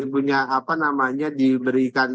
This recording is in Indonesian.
punya apa namanya diberikan